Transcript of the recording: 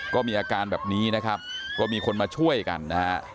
ก็มีอาการแบบนี้นะครับก็มีคนมาช่วยกันนะฮะ